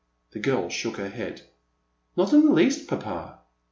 " The girl shook her head. .Not in the least, papa."